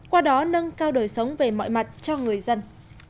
qua đó nâng cao đời sống về mọi mặt cho người dân